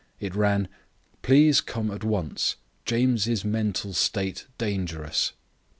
It ran: "Please come at once. James' mental state dangerous.